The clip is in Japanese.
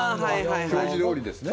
表示どおりですね。